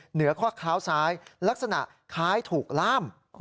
เหนือข้อเท้าซ้ายลักษณะคล้ายถูกล่าม